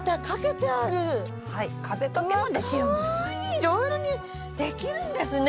いろいろできるんですね。